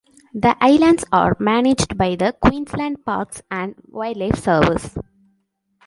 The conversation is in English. The islands are managed by the Queensland Parks and Wildlife Service.